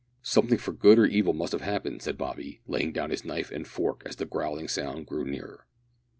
"Something for good or evil must have happened," said Bobby, laying down his knife and fork as the growling sound drew nearer.